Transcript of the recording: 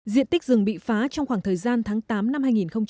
diện tích rừng bị phá trong khoảng thời gian tháng tám năm hai nghìn một mươi chín